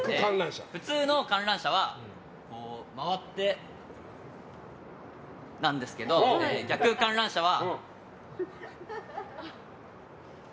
普通の観覧車は回ってこうですが逆観覧車は。